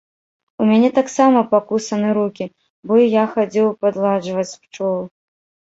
У мяне таксама пакусаны рукі, бо і я хадзіў падладжваць пчол.